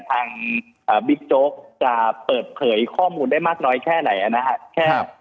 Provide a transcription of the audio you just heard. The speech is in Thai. ทางบิ๊กโจ๊กจะเปิดเผยข้อมูลได้มากน้อยแค่ไหนนะครับ